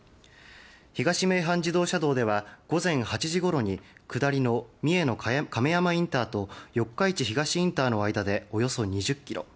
東名阪自動車道では午前８時ごろに下りの三重の亀山インターと四日市東インターの間でおよそ２０ｋｍ